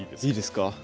いいですか？